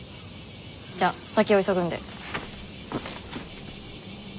じゃ先を急ぐんで。